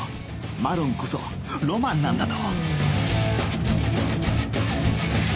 マロンこそロマンなんだと